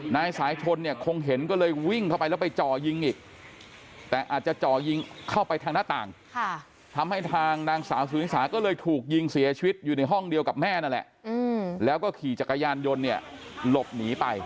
นายสายชนเนี่ยคงเห็นก็เลยวิ่งเข้าไปแล้วไปจ่อยิงอีกแต่อาจจะจ่อยิงเข้าไปทางหน้าต่างทำให้ทางนางสาวสุนิสาก็เลยถูกยิงเสียชีวิตอยู่ในห้องเดียวกับแม่นั่นแหละแล้วก็ขี่จักรยานยนต์เนี่ยหลบหนีไป